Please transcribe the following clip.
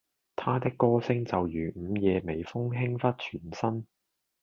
他的歌聲就如午夜微風輕拂全身